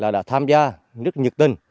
đã tham gia rất nhiệt tình